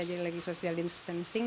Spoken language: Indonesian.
jadi lagi social distancing